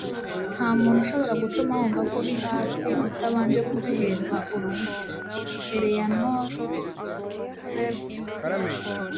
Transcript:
nta muntu ushobora gutuma wumva ko uri hasi utabanje kubiherwa uruhushya - eleanor roosevelt